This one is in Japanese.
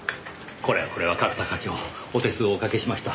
これはこれは角田課長お手数をおかけました。